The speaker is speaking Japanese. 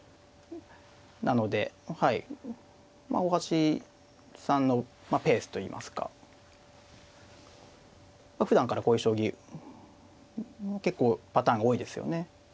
なのではい大橋さんのペースといいますかふだんからこういう将棋結構パターンが多いですよね。